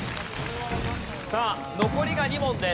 さあ残りが２問です。